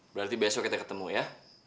berarti besok kita ketemu ya